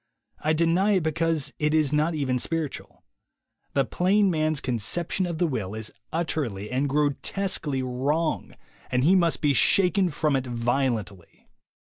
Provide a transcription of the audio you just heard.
I deny it because it is not even spiritual. The plain man's conception of the will is utterly and grotesquely wrong, and he must be shaken from it violently.